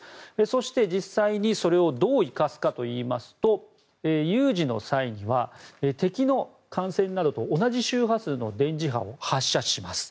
そして、実際にそれをどう生かすかといいますと有事の際には、敵の艦船などと同じ周波数の電磁波を発射します。